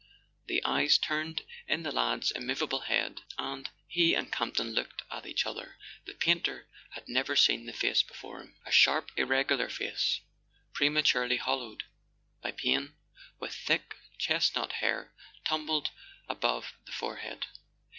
The eyes turned in the lad's immovable head, and he and Campton looked at each other. The painter had never seen the face before him: a sharp irregular face, prematurely hollowed by pain, with thick chest¬ nut hair tumbled above the forehead.